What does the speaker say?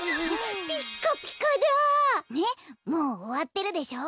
ねっもうおわってるでしょ？